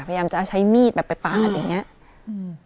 พยายามจะใช้มีดแบบไปปาดอย่างเงี้ยอืม